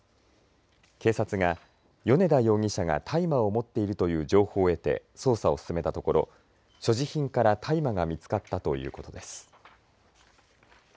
警察が米田容疑者が大麻を持っているという情報を得て捜査を進めたところ所持品から大麻が見つかったということです。